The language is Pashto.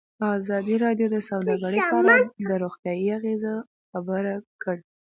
ازادي راډیو د سوداګري په اړه د روغتیایي اغېزو خبره کړې.